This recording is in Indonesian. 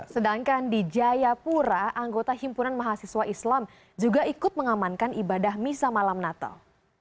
sedangkan di jayapura anggota himpunan mahasiswa islam juga ikut mengamankan ibadah misa malam natal